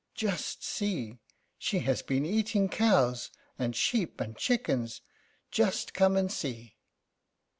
Just see. She has been eating cows, and sheep, and chickens. Just come and see."